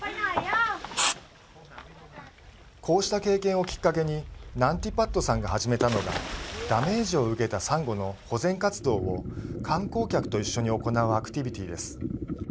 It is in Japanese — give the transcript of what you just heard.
こうした経験をきっかけにナンティパットさんが始めたのがダメージを受けたさんごの保全活動を観光客と一緒に行うアクティビティーです。